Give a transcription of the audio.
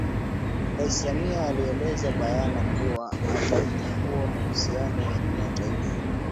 Rais Samia alieleza bayana kuwa atafufua mahusiano ya kimataifa